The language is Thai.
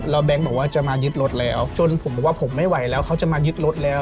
แล้วแบงค์บอกว่าจะมายึดรถแล้วจนผมบอกว่าผมไม่ไหวแล้วเขาจะมายึดรถแล้ว